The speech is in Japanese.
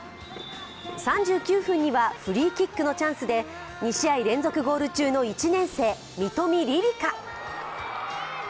３９分にはフリーキックのチャンスで２試合連続ゴール中の１年生・三冨りりか。